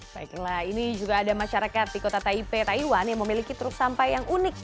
baiklah ini juga ada masyarakat di kota taipei taiwan yang memiliki truk sampah yang unik